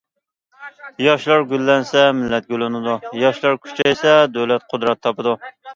ياشلار گۈللەنسە، مىللەت گۈللىنىدۇ، ياشلار كۈچەيسە دۆلەت قۇدرەت تاپىدۇ.